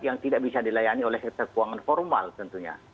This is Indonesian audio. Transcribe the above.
yang tidak bisa dilayani oleh sektor keuangan formal tentunya